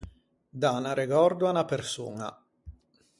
Dâ un arregòrdo à unna persoña.